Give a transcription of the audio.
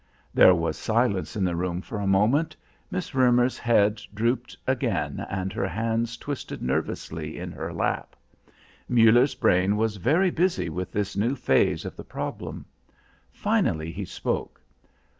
There was silence in the room for a moment. Miss Roemer's head drooped again and her hands twisted nervously in her lap. Muller's brain was very busy with this new phase of the problem. Finally he spoke.